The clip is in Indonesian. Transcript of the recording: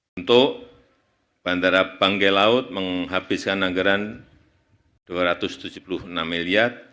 untuk bandara banggai laut menghabiskan anggaran rp dua ratus tujuh puluh enam miliar